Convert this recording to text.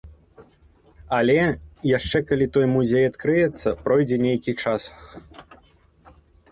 Але яшчэ калі той музей адкрыецца, пройдзе нейкі час.